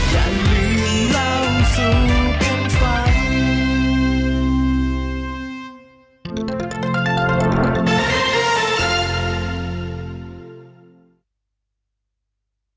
สวัสดีครับ